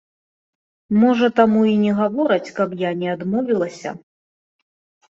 Можа, таму і не гавораць, каб я не адмовілася!